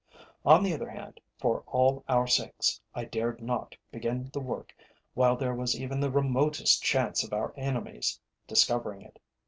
On the other hand, for all our sakes, I dared not begin the work while there was even the remotest chance of our enemies discovering it.